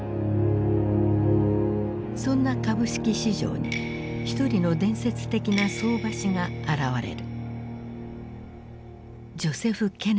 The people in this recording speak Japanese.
そんな株式市場に一人の伝説的な相場師が現れる。